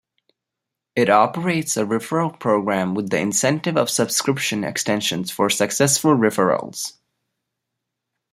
It operates a referral programme, with the incentive of subscription extensions for successful referrals.